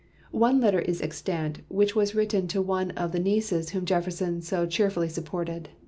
One letter is extant which was written to one of the nieces whom Jefferson so cheerfully supported.